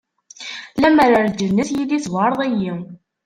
Lemmer ar lǧennet, yili tezwareḍ-iyi.